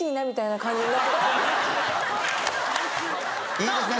いいですね。